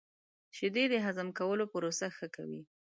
• شیدې د هضم کولو پروسه ښه کوي.